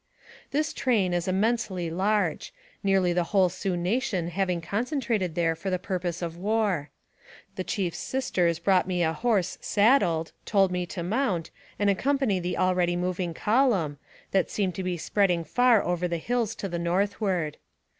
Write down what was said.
This train was immensely large, nearly the whole Sioux nation having concentrated there for the pur pose of war. The chief's sisters brought me a horse AMONG THE SIOUX INDIANS. 95 saddled, told me to mount, and accompany the already moving column, that seemed to be spreading far over the hills to the northward.